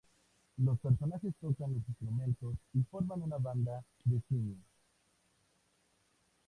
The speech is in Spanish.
Los personajes tocan los instrumentos y forman una "banda de simios".